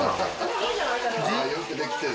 あよくできてる。